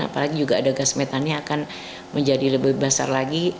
apalagi juga ada gas metannya akan menjadi lebih besar lagi